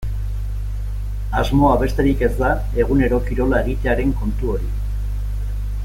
Asmoa besterik ez da egunero kirola egitearen kontu hori.